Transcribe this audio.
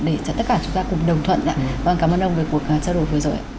và chất lượng phù hợp